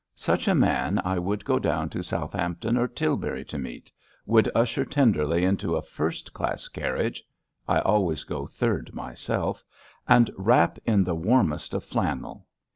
Such a man I would go down to Southampton or Tilbury to meet, would usher tenderly into a first class carriage (I always go third myself) and wrap in the warmest of flannel.